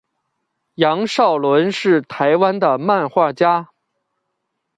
杨邵伦是台湾的漫画家。